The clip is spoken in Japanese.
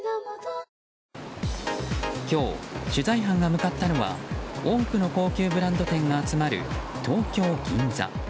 今日、取材班が向かったのは多くの高級ブランド店が集まる東京・銀座。